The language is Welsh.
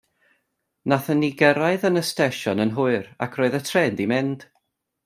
Nathon ni gyrraedd yr y stesion yn hwyr ac roedd y trên 'di mynd.